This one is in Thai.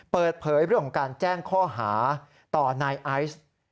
เปิดเผยเรื่องของการแจ้งข้อหาต่อนายไอซ์